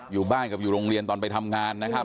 อยู่บ้านกับอยู่โรงเรียนตอนไปทำงานนะครับ